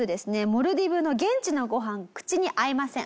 モルディブの現地のご飯が口に合いません。